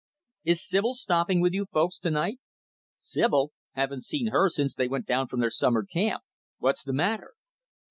"Is Sibyl stopping with you folks, to night?" "Sibyl! Haven't seen her since they went down from their summer camp. What's the matter?"